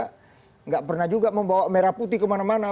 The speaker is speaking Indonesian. tidak pernah juga membawa merah putih kemana mana